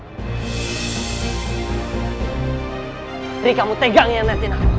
jadi kamu tegangin anji